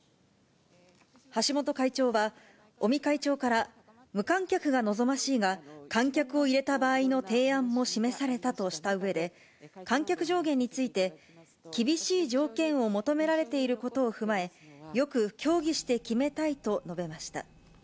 橋本会長は、尾身会長から無観客が望ましいが、観客を入れた場合の提案も示されたとしたうえで、観客上限について、厳しい条件を求められていることを踏まえ、よく協議して決めたいと述べました。